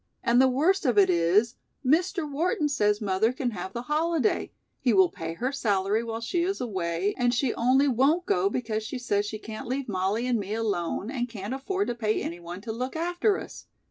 "And the worst of it is, Mr. Wharton says mother can have the holiday, he will pay her salary while she is away, and she only won't go because she says she can't leave Mollie and me alone and can't afford to pay any one to look after us.